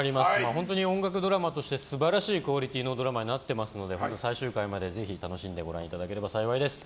本当に音楽ドラマとして素晴らしいクオリティーのドラマになっていますので最終回までぜひ楽しんでご覧いただければ幸いです。